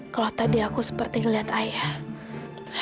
kalau tadi aku seperti ngeliat ayah